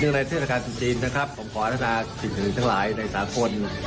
เนื่องในเทศกาลตรุษจีนนะครับขออธิษฐาสิทธิ์ทั้งหลายในสถานกลุ่ม